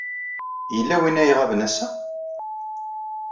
Yella win ay iɣaben ass-a?